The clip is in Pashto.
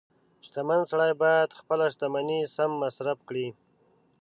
• شتمن سړی باید خپله شتمني سم مصرف کړي.